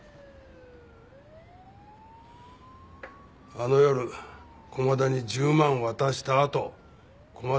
あの夜駒田に１０万渡したあと駒田をつけた。